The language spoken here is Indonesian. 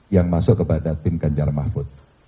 yang masuk kepada tim ganjar mahfud